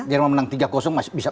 jerman menang tiga masih bisa